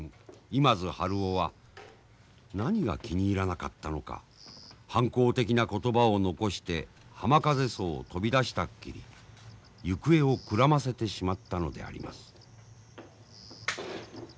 今津春男は何が気に入らなかったのか反抗的な言葉を残して浜風荘を飛び出したきり行方をくらませてしまったのであります。